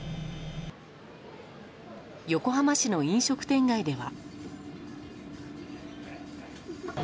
横浜市の飲食店街では。